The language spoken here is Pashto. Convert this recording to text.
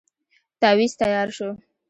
تاويذ تیار شو.